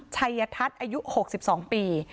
ชัยทัศน์อายุ๖๒ปี